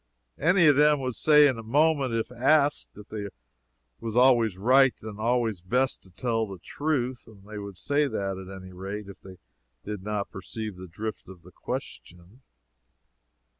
Any of them would say in a moment, if asked, that it was always right and always best to tell the truth. They would say that, at any rate, if they did not perceive the drift of the question.